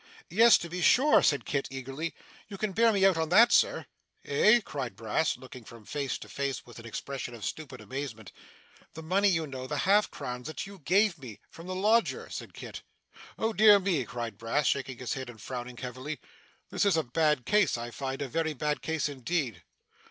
'Yes to be sure,' said Kit eagerly. 'You can bear me out in that, Sir?' 'Eh?' cried Brass, looking from face to face with an expression of stupid amazement. 'The money you know, the half crowns, that you gave me from the lodger,' said Kit. 'Oh dear me!' cried Brass, shaking his head and frowning heavily. 'This is a bad case, I find; a very bad case indeed.